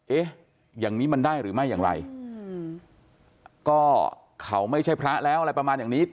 เอ๊ะอย่างนี้มันได้หรือไม่อย่างไรก็เขาไม่ใช่พระแล้วอะไรประมาณอย่างนี้